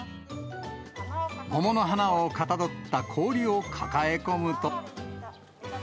桃の花をかたどった氷を抱え込むと。